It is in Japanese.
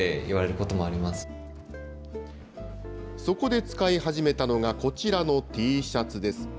そこで使い始めたのがこちらのＴシャツです。